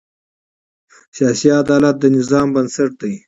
سیاسي عدالت د نظام بنسټ دی